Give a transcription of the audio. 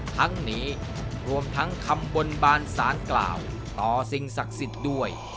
ทั้งนี้รวมทั้งคำบนบานสารกล่าวต่อสิ่งศักดิ์สิทธิ์ด้วย